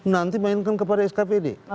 nanti mainkan kepada skpd